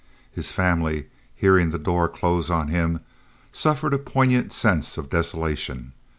His family, hearing the door close on him, suffered a poignant sense of desolation.